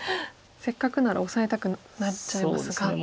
せっかくならオサえたくなっちゃいますが。